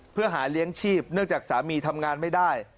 เพื่อหาเลี้ยงชีพเนื่องจากสามีทำงานไม่ได้